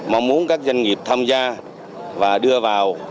mong muốn các doanh nghiệp tham gia và đưa vào